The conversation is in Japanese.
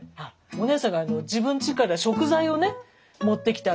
お姉さんが自分ちから食材をね持ってきて。